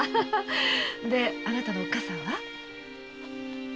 それであなたのおっかさんは？